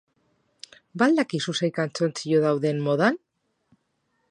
Ba al dakizu zein galtzontzillo dauden modan?